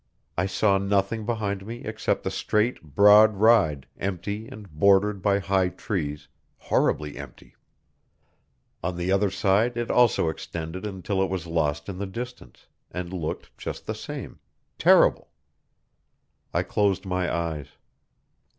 I saw nothing behind me except the straight, broad ride, empty and bordered by high trees, horribly empty; on the other side it also extended until it was lost in the distance, and looked just the same, terrible. I closed my eyes.